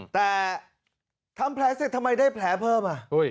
แต่ทำแผลเสร็จทำไมได้แผลเพิ่มอ่ะ